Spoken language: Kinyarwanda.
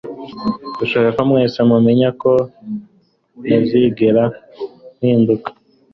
Ndashaka ko mwese mumenya ko ntazigera mpinduka